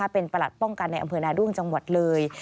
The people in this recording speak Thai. เป็นประหลัดป้องกันในอำเภอนาด้วงจังหวัดเลย